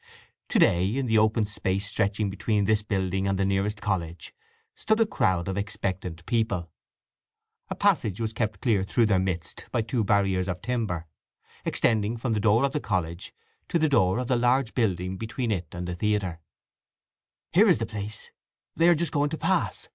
To day, in the open space stretching between this building and the nearest college, stood a crowd of expectant people. A passage was kept clear through their midst by two barriers of timber, extending from the door of the college to the door of the large building between it and the theatre. "Here is the place—they are just going to pass!"